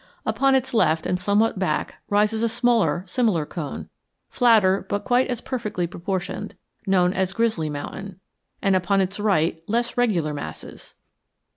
Upon its left and somewhat back rises a smaller similar cone, flatter but quite as perfectly proportioned, known as Grizzly Mountain, and upon its right less regular masses.